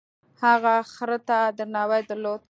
هغه خر ته درناوی درلود.